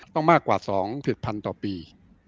ต้องมากกว่า๒พิธพรรณต่อปี